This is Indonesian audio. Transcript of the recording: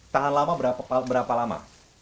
tahan lama berapa lama